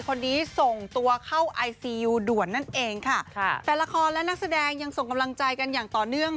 คนนี้ส่งตัวเข้าไอซียูด่วนนั่นเองค่ะแต่ละครและนักแสดงยังส่งกำลังใจกันอย่างต่อเนื่อง